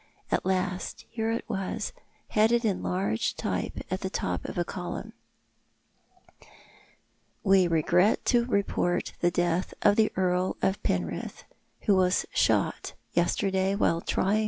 At last, here it was, headed in large type, at the top of a column —" We regret to report the death of the Earl of Penrith, who was shot yesterday evening while trying t?